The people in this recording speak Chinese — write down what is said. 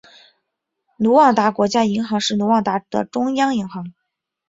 卢旺达国家银行是卢旺达的中央银行。